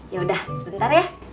ya udah sebentar ya